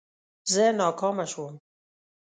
زه ناکامه شوم